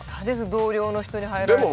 同僚の人に入られたら。